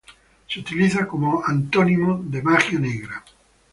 Se utiliza como antónimo de magia negra.